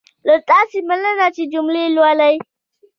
له تاسې مننه چې جملې لولئ.